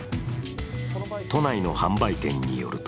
都内の販売店によると